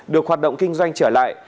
được hoạt động kinh doanh trở lại